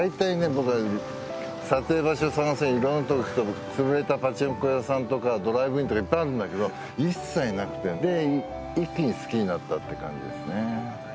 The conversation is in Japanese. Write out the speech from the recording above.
僕撮影場所探すとき色んなとこ行く潰れたパチンコ屋さんとかドライブインとかいっぱいあるんだけど一切なくてで一気に好きになったって感じですね